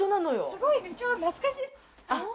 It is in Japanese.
すごいね懐かしい！